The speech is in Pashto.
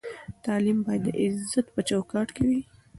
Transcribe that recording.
تعلیم باید د عزت په چوکاټ کې وي.